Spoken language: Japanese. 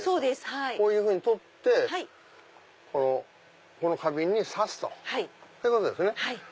こういうふうに取ってこの花瓶に挿すということですね。